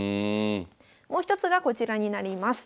もう一つがこちらになります。